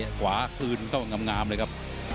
เต๊ะขวาคืนก็งามเลยครับ